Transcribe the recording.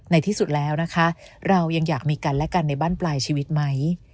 ในที่สุดแล้วนะคะเรายังอยากมีกันและกันในบ้านปลายชีวิตไหม